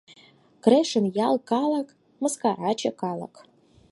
Крешын ял калык — мыскараче калык!